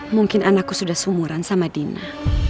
mungkin anakku sudah seumuran sama dina